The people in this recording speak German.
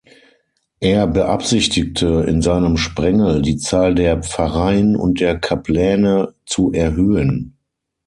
Er beabsichtigte, in seinem Sprengel die Zahl der Pfarreien und der Kapläne zu erhöhen.